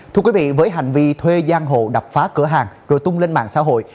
thưa quý vị với hành vi thuê giang hộ đập phá cửa hàng rồi tung lên mạng xã hội